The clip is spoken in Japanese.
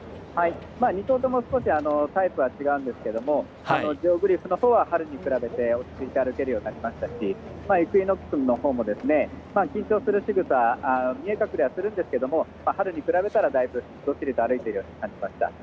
２頭ともタイプは違うんですけどもジオグリフは春に比べて落ち着いて歩けるようになりましたしイクイノックスのほうも緊張するしぐさは見え隠れするんですけども春に比べたら、だいぶどっしりと歩いているように感じました。